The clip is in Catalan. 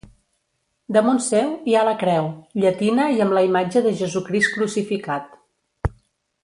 Damunt seu hi ha la creu, llatina i amb la imatge de Jesucrist crucificat.